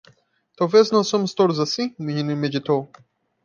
Talvez nós somos todos assim? o menino meditou.